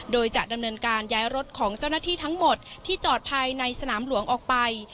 โดยจะดำเนินการย้ายรถของเจ้าหน้าที่ทั้งหมดที่จอดภายในสนามหลวงออกไป